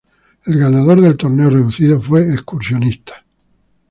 El ganador del torneo reducido fue Excursionistas.